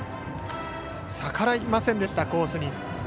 逆らいませんでした、コースに。